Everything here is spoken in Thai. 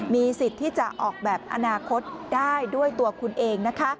มีสิทธิ์ที่จะออกแบบอนาคตได้ด้วยตัวคุณเองนะคะ